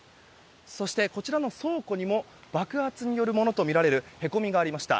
そして、こちらの倉庫にも爆発によるものとみられるへこみがありました。